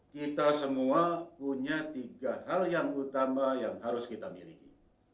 kita semua punya tiga hal yang utama yang harus kita miliki